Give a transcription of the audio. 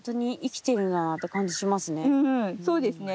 うんそうですね。